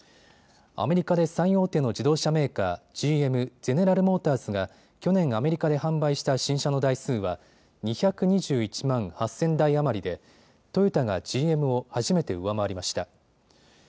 アメリカで最大手の自動車メーカー、ＧＭ・ゼネラル・モーターズが去年、アメリカで販売した新車の台数は２２１万８０００台余りでトヨタがＧＭを初めて上回りました。